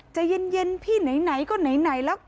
ใจเย็นพี่ไหนก็ไหนแล้ว